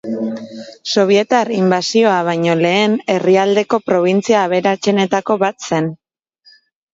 Sobietar inbasioa baino lehen herrialdeko probintzia aberatsenetako bat zen.